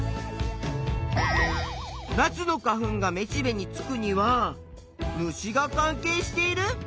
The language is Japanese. ナスの花粉がめしべにつくには虫が関係している？